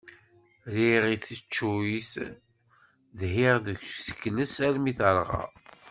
Rriɣ i teccuyt, dhiɣ deg usekles armi terɣa.